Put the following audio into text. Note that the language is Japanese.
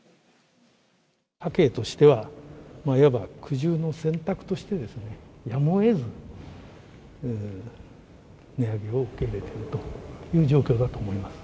家計としては、いわば苦渋の選択としてですね、やむをえず、値上げを受け入れているという状況だと思います。